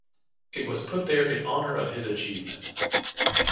It was put there in honor of his achievements.